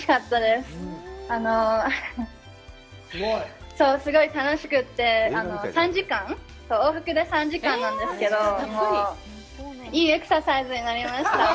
すごい楽しくて、３時間、往復で３時間なんですけど、いいエクササイズになりました。